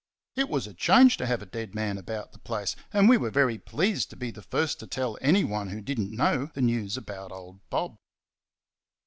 It was a change to have a dead man about the place, and we were very pleased to be first to tell anyone who did n't know the news about old Bob.